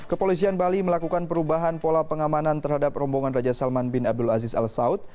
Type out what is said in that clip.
kepolisian bali melakukan perubahan pola pengamanan terhadap rombongan raja salman bin abdul aziz al saud